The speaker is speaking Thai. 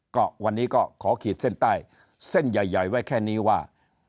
ก็วันนี้ก็ขอขีดเส้นใต้เส้นใหญ่ไว้แค่นี้ว่า